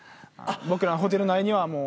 僕らのホテル内にはもう。